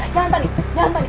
jalan tadi jalan tadi